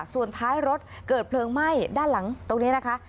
ส่วนท้ายรถเกิดเพลิงไหม้ด้านหลังตรงนี้นะคะ